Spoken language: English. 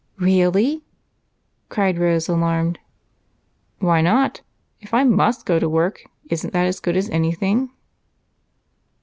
"Really!" cried Rose, alarmed. "Why not? If I must go to work, isn't that as good as anything?"